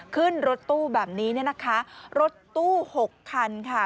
ขึ้นรถตู้แบบนี้นะคะรถตู้๖คันค่ะ